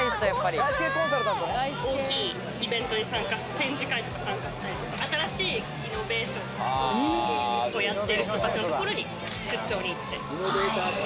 大きいイベントに参加して、展示会とか参加したり、新しいイノベーションをやってる人たちのところに出張に行って。